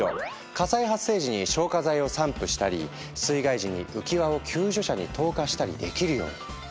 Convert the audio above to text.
火災発生時に消火剤を散布したり水害時に浮き輪を救助者に投下したりできるように。